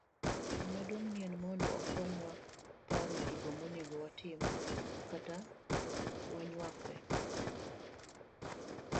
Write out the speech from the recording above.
Gimaduong' en ni mondo okonywa paro gigo monego watim kata wanyuakreye